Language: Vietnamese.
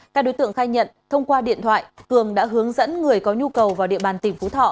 các đối tượng khai nhận thông qua điện thoại cường đã hướng dẫn người có nhu cầu vào địa bàn tỉnh phú thọ